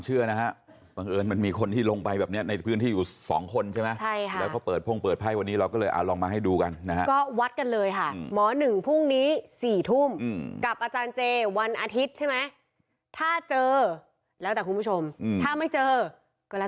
อุ้ยตายแล้วเอาฟังอาจารย์เจก่อน